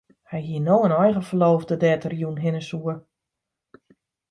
Hy hie no in eigen ferloofde dêr't er jûn hinne soe.